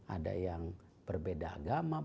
ada yang berbeda agama